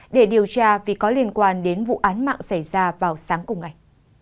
để điều tra vì có liên quan đến vụ án mạng xảy ra vào sáng cùng ngày